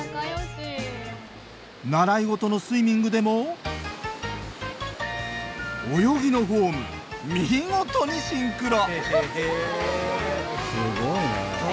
習いごとのスイミングでも泳ぎのフォーム見事にシンクロ！